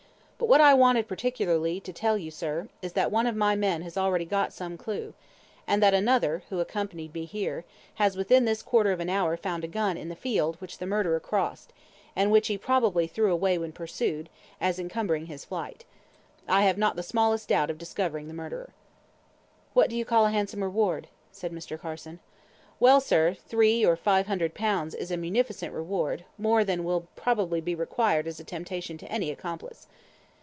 But what I wanted particularly to tell you, sir, is that one of my men has already got some clue, and that another (who accompanied me here) has within this quarter of an hour found a gun in the field which the murderer crossed, and which he probably threw away when pursued, as encumbering his flight. I have not the smallest doubt of discovering the murderer." "What do you call a handsome reward?" said Mr. Carson. "Well, sir, three, or five hundred pounds is a munificent reward: more than will probably be required as a temptation to any accomplice."